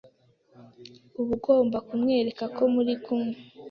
uba ugomba kumwereka ko muri kumwe